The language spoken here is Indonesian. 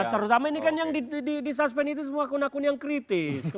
terutama ini kan yang di suspend itu semua akun akun yang kritik